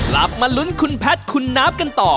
มาลุ้นคุณแพทย์คุณนับกันต่อ